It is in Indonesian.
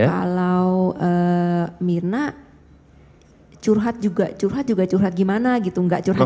kalau myrna curhat juga curhat juga curhat gimana gitu enggak curhat juga